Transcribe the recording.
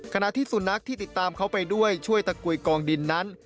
ขณะที่สุนัขที่ติดตามเขาไปด้วยช่วยตะกุยกองดินนั้น